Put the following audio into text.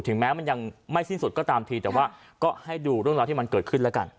แม้มันยังไม่สิ้นสุดก็ตามทีแต่ว่าก็ให้ดูเรื่องราวที่มันเกิดขึ้นแล้วกัน